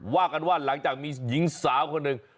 ว่ากันว่าหลังจากมีหญิงสาวคนหนึ่ง